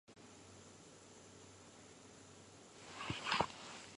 Ko naawotoyam boo, puccu kanyum huuwwantaamo koo ngale.